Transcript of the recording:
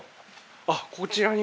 あっこちらに。